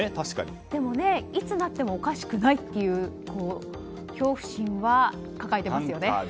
でもいつなってもおかしくないという恐怖心は抱えていますよね。